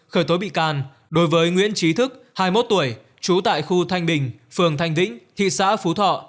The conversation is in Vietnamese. khởi tố bị can đối với nguyễn trí thức hai mươi một tuổi trú tại khu thanh bình phường thanh vĩnh thị xã phú thọ